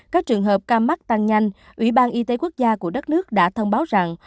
các trường hợp ca mắc tăng nhanh ủy ban y tế quốc gia của đất nước đã thông báo rằng